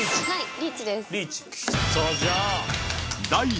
リーチです。